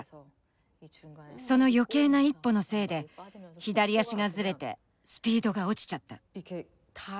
その余計な１歩のせいで左足がずれてスピードが落ちちゃった。